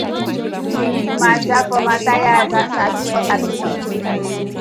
Leave mata for Mathias and Sabi for Sabinus: